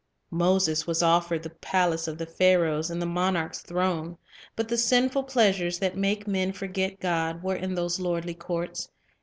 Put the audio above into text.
Moses was offered the palace of the Pharaohs and the monarch's throne; but the sinful pleasures that make men forget God were in those lordly courts, and 1 ( 'in 1 1 : 26, 27.